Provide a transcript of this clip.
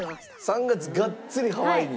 ３月がっつりハワイに？